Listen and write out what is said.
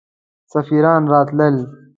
سفیران راتلل.